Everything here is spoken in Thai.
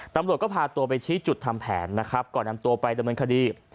ตำรวจก็พาตัวไปชี้จุดทำแผนนะครับก่อนนำตัวไปดำเนินคดี